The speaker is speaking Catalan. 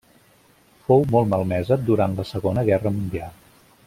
Fou molt malmesa durant la Segona Guerra Mundial.